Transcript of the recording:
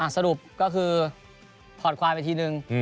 สรุปก็คือผ่อนควายไปทีนึง